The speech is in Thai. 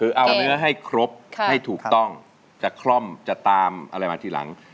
คือเอาเนื้อให้ครบให้ถูกต้องจะคล่อมจะตามอะไรมาทีหลัง